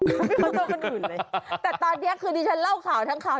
ตอนนี้คือที่ฉันเล่าข่าวทั้งข่าว